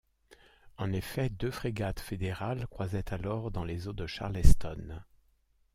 En effet, deux frégates fédérales croisaient alors dans les eaux de Charleston.